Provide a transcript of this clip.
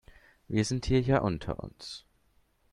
Wir sind hier ja unter uns.